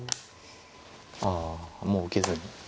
あもう受けずに。